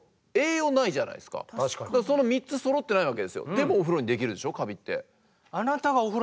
でもお風呂にできるでしょカビって。